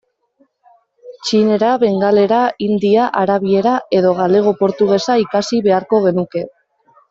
Txinera, bengalera, hindia, arabiera, edo galego-portugesa ikasi beharko genuke.